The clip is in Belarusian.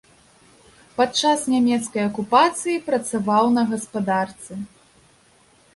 Падчас нямецкай акупацыі працаваў на гаспадарцы.